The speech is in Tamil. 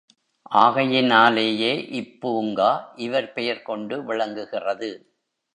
ஆகையினாலேயே இப்பூங்கா இவர் பெயர் கொண்டு விளங்குகிறது.